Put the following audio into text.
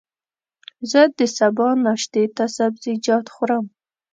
زه د سبا ناشتې ته سبزيجات خورم.